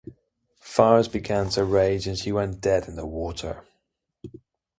Fires began to rage and she went dead in the water.